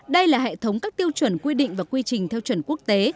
đây là hệ thống các tiêu chuẩn quy định và quy trình theo chuẩn quốc tế